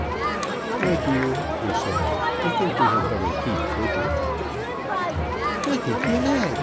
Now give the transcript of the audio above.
"My dear," he said, "I think we had better keep Bridget." "I think ye had!"